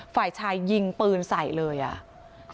ฝ่ายชายยิงปืนใส่เลยอ่ะ